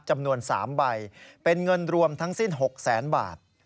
จำนวน๓ใบเป็นเงินรวมทั้งสิ้น๖แสนบาท